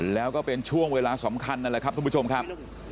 แล้วก็เป็นช่วงเวลาสำคัญนั่นแหละครับทุกผู้ชมครับ